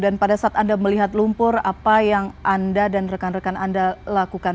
dan pada saat anda melihat lumpur apa yang anda dan rekan rekan anda lakukan